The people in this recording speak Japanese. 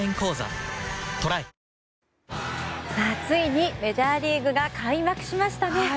ついにメジャーリーグが開幕しましたね。